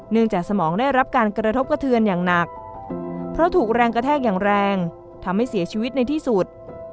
จากสมองได้รับการกระทบกระเทือนอย่างหนักเพราะถูกแรงกระแทกอย่างแรงทำให้เสียชีวิตในที่สุด